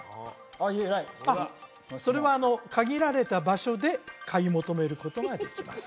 あっいい偉いそれは限られた場所で買い求めることができます